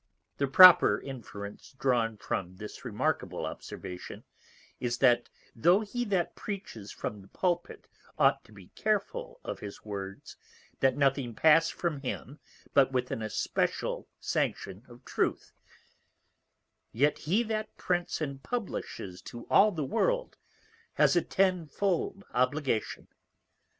_The proper Inference drawn from this remarkable Observation, is, That tho' he that Preaches from the Pulpit ought to be careful of his Words, that nothing pass from him but with an especial Sanction of Truth; yet he that Prints and Publishes to all the World, has a tenfold Obligation.